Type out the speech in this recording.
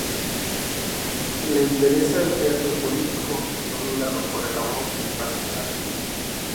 Le interesa el teatro político dominado por el amor pasional.